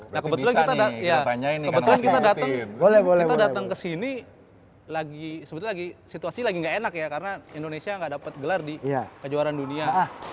nah kebetulan kita datang ke sini lagi sebetulnya lagi situasi lagi gak enak ya karena indonesia gak dapet gelar di kejuaraan dunia